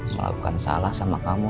melakukan salah sama kamu